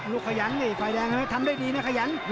ลูกขยันส์ไฟแดงอย่างงั้น่ะทำได้ดีนะขยันส์